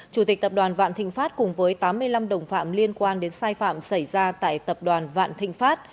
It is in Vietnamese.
chủ tịch tập đoàn vạn thịnh pháp cùng với tám mươi năm đồng phạm liên quan đến sai phạm xảy ra tại tập đoàn vạn thịnh pháp